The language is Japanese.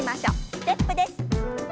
ステップです。